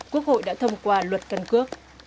quốc hội đã thông qua luật căn cước